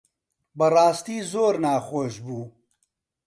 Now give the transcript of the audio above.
بەڕاستی زۆر ناخۆش بوو.